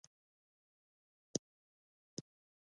دا ورځ په خوښۍ تیره شوه.